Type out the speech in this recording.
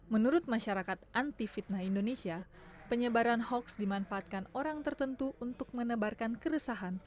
menurut masyarakat anti fitnah indonesia penyebaran hoax dimanfaatkan orang tertentu untuk menebarkan keresahan